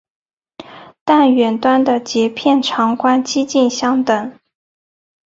但远端的节片长宽几近相等。